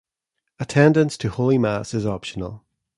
Attendance to Holy Mass is optional.